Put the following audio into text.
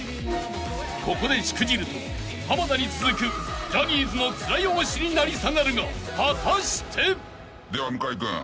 ［ここでしくじると濱田に続くジャニーズの面汚しに成り下がるが果たして］では向井君。